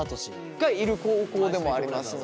がいる高校でもありますので。